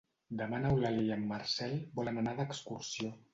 Demà n'Eulàlia i en Marcel volen anar d'excursió.